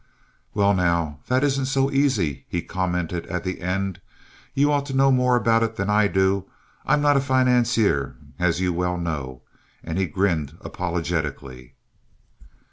"Well, now, that isn't so easy," he commented at the end. "You ought to know more about that than I do. I'm not a financier, as you well know." And he grinned apologetically.